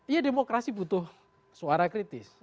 ya demokrasi butuh suara kritis